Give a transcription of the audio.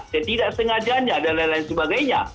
ketidaksengajaannya dan lain lain sebagainya